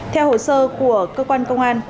theo hồ sơ của cơ quan công an